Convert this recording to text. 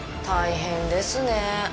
大変ですね。